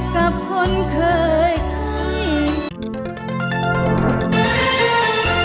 กับคนเคยคิด